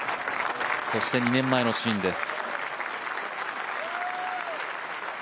そして２年前のシーンです。